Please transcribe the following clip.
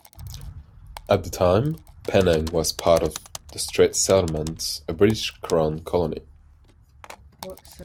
At the time, Penang was part of the Straits Settlement, a British Crown colony.